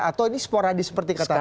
atau ini sporadis seperti kata bapak tani